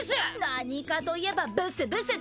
何かといえばブスブスって。